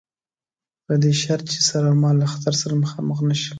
په دې شرط چې سر اومال له خطر سره مخامخ نه شي.